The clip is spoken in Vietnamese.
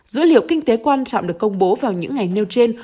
dữ liệu kinh tế quan trọng được công bố vào những ngày nêu trên